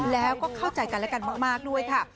แล้วก็เข้าใจกันและกันมากด้วยค่ะ